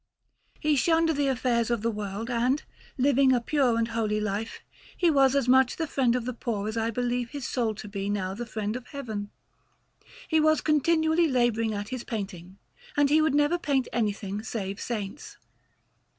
He shunned the affairs of the world; and, living a pure and holy life, he was as much the friend of the poor as I believe his soul to be now the friend of Heaven. He was continually labouring at his painting, and he would never paint anything save Saints.